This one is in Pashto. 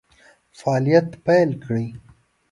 فعالیت پیل کړي.